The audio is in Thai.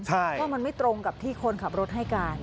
ใช่ว่ามันไม่ตรงกับที่คนขับรถให้กัน